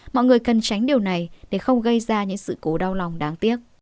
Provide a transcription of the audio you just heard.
mọi người cần tránh điều này để không gây ra những sự cố đau lòng đáng tiếc